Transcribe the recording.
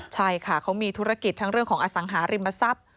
ใช่ค่ะเขามีธุรกิจทั้งเรื่องของอสังหาริมทรัพย์